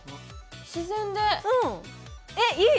自然でえっいい！